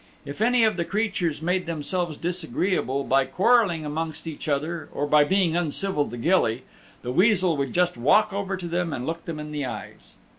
If any of the creatures made themselves disagreeable by quarrelling amongst each other, or by being uncivil to Gilly, the Weasel would just walk over to them and look them in the eyes.